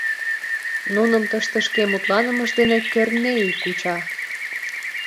Нуным тыште шке мутланымыж дене Кӧрнеи куча.